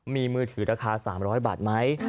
มีมือถือราคา๓๐๐บาทไหม